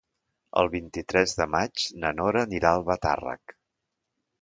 El vint-i-tres de maig na Nora anirà a Albatàrrec.